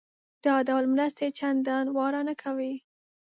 دا ډول مرستې چندانې واره نه کوي.